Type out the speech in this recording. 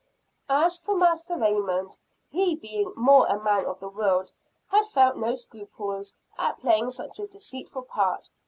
As for Master Raymond, he, being more a man of the world, had felt no scruples at playing such a deceitful part.